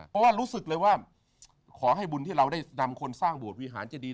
เพราะว่ารู้สึกเลยว่าขอให้บุญที่เราได้นำคนสร้างโบสถวิหารเจดี